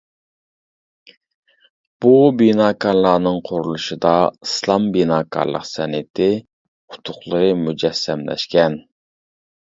بۇ بىناكارلارنىڭ قۇرۇلۇشىدا ئىسلام بىناكارلىق سەنئىتى ئۇتۇقلىرى مۇجەسسەملەشكەن.